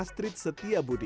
dan astrid setia budi